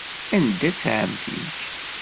Anda-tt ɛemmti-k?